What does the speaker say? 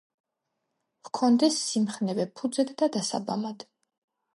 ჰქონდეს სიმხნევე ფუძედ და დასაბამადა